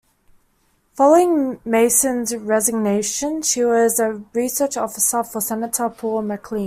Following Mason's resignation she was a research officer for Senator Paul McLean.